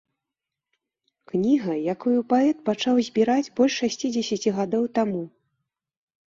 Кніга, якую паэт пачаў збіраць больш шасцідзесяці гадоў таму.